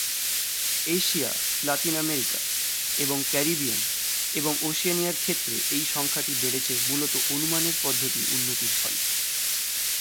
Asia, Latin America এবং Caribbean এবং ওশেনিয়ার ক্ষেত্রে এই সংখ্যাটি বেড়েছে মূলত অনুমানের পদ্ধতির উন্নতির ফলে।